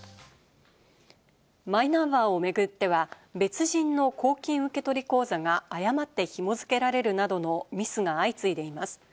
マイナンバーを巡っては別人の公金受取口座が誤ってひも付けられるなどのミスが相次いでいます。